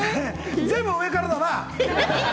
全部上からだな。